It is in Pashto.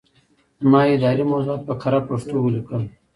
ما اداري موضوعات په کره پښتو ولیکل.